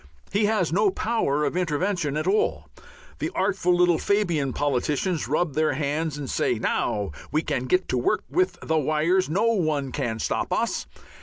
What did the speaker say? He has no power of intervention at all. The artful little Fabian politicians rub their hands and say, "Now we can get to work with the wires! No one can stop us."